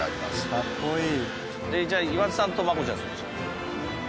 かっこいい。